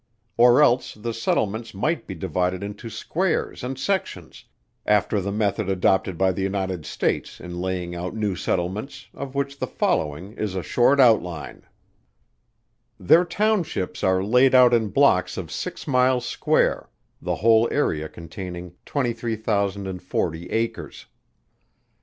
Or else, the settlements might be divided into squares and sections, after the method adopted by the United States in laying out new settlements, of which the following is a short outline: Their townships are laid out in blocks of six miles square, the whole area containing 23,040 acres.